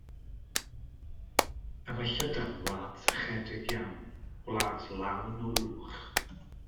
Y mae Llydaw'n wlad sychedig iawn, gwlad lawn o lwch.